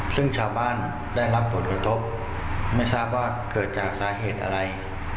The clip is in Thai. ซึ่งชาวบ้านได้รับผลกระทบไม่ทราบว่าเกิดจากสาเหตุอะไร